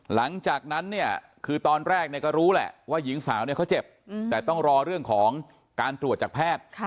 หลังจากนั้นเนี่ยคือตอนแรกก็รู้แหละว่าหญิงสาวเนี่ยเขาเจ็บแต่ต้องรอเรื่องของการตรวจจากแพทย์